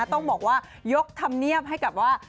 ต้องบอกว่ายกธรรมเนียบให้กับว่า